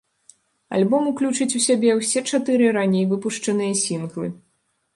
Альбом уключыць у сябе ўсе чатыры раней выпушчаныя сінглы.